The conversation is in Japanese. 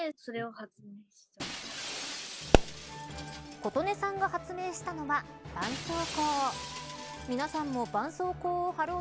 琴音さんが発明したのはばんそうこう。